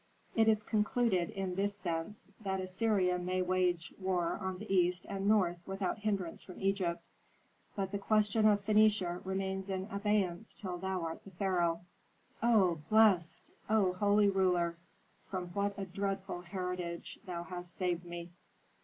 "It is concluded in this sense, that Assyria may wage war on the east and north without hindrance from Egypt. But the question of Phœnicia remains in abeyance till thou art the pharaoh." "O blessed! O holy ruler! From what a dreadful heritage thou hast saved me."